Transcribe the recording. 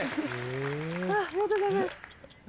ありがとうございます。